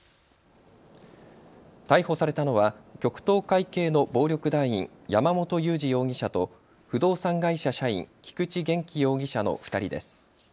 逮捕されたのは極東会系の暴力団員、山本裕二容疑者と不動産会社社員、菊池元気容疑者の２人です。